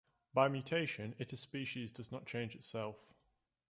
By a mutation it a species does not change itself.